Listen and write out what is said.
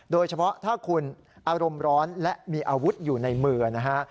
โดยเฉพาะถ้าคุณอารมณ์ร้อนและมีอาวุธอยู่ในมือนะฮะ